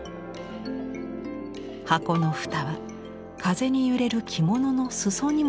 箱の蓋は風に揺れる着物の裾にも見立てられます。